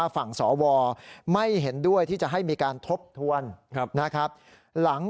ฝั่งสวไม่เห็นด้วยที่จะให้มีการทบทวนนะครับหลัง